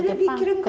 sudah dikirim keluar